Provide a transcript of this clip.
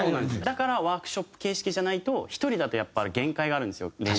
だからワークショップ形式じゃないと１人だとやっぱり限界があるんですよ練習って。